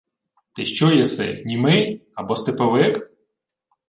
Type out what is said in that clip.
— Ти що єси, німий? Або степовик?